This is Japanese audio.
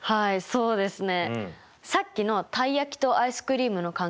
そうですね。